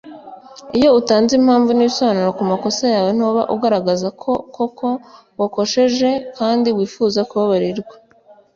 Iyo utanze impamvu n’ibisobanuro ku makosa yawe ntuba ugaragaza ko koko wakosheje kandi wifuza kubabarirwa